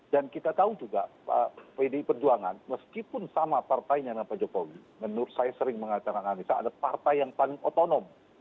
dan kita tahu juga pdi perjuangan meskipun sama partainya dengan pak jokowi menurut saya sering mengatakan ada partai yang paling otonom